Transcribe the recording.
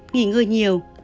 nghỉ ngơi nhiều